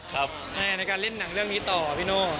ครับในการเล่นหนังเรื่องนี้ต่อหรอพี่โน้